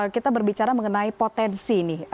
kita berbicara mengenai potensi nih